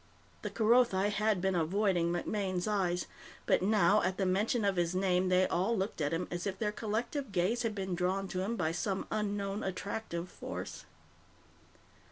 The Kerothi had been avoiding MacMaine's eyes, but now, at the mention of his name, they all looked at him as if their collective gaze had been drawn to him by some unknown attractive force.